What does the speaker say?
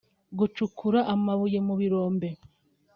gucukura amabuye mu birombe